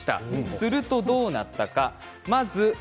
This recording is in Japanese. すると、どうなったか。